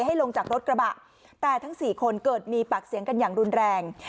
ให้ลงจากรถกระบะแต่ทั้งสี่คนเกิดมีปากเสียงกันอย่างรุนแรง